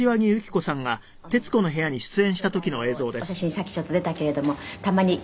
さっきちょっと出たけれどもたまに」